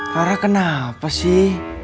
rara kenapa sih